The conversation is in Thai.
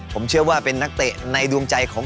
ผมเชื่อว่าเป็นนักเตะในดวงใจของ